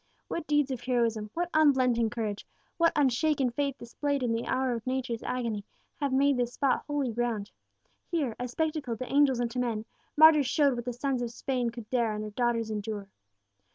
What deeds of heroism what unblenching courage what unshaken faith displayed in the hour of nature's agony, have made this spot holy ground! Here a spectacle to angels and to men martyrs showed what the sons of Spain could dare and her daughters endure!